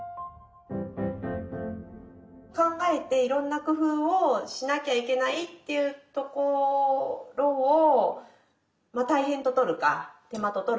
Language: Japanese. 考えていろんな工夫をしなきゃいけないっていうところを大変ととるか手間ととるか。